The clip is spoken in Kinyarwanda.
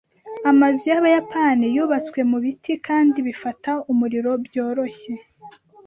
Amazu yAbayapani yubatswe mu biti kandi bifata umuriro byoroshye.